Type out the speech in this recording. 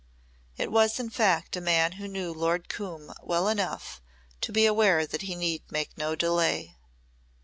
It was in fact a man who knew Lord Coombe well enough to be aware that he need make no delay.